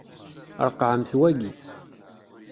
Ṛeqqɛemt waki.